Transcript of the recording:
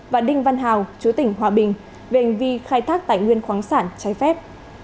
và đinh văn hào chú tỉnh hòa bình về hành vi khai thác tài nguyên khoáng sản trái phép